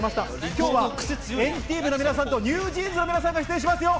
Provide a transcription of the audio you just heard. きょうは、＆ＴＥＡＭの皆さんとＮｅｗＪｅａｎｓの皆さんが出演しますよ。